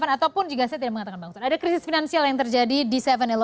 ataupun juga saya tidak mengatakan bangkrut ada krisis finansial yang terjadi di tujuh sebelas